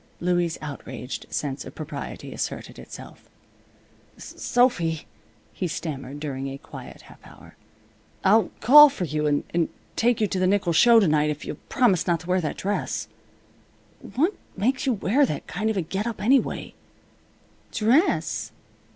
Louie's outraged sense of propriety asserted itself. "Sophy," he stammered, during a quiet half hour, "I'll call for you and take you to the nickel show to night if you'll promise not to wear that dress. What makes you wear that kind of a get up, anyway?" "Dress?"